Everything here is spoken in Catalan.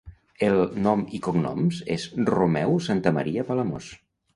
El nom i cognoms es Romeu Santamaria Palamós.